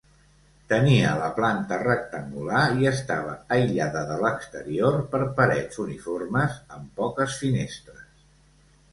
Tenia la planta rectangular i estava aïllada de l'exterior per parets uniformes, amb poques finestres.